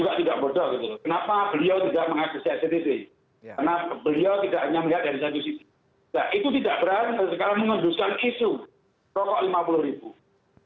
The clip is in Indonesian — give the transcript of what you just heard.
sekarang mengunduskan isu rokok rp lima puluh